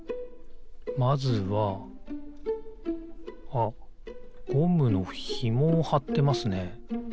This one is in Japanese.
あっゴムのひもをはってますね。